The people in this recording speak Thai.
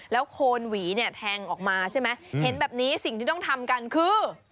โคนหวีเนี่ยแทงออกมาใช่ไหมเห็นแบบนี้สิ่งที่ต้องทำกันคือ